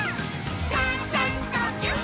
「ちゃちゃんとぎゅっ」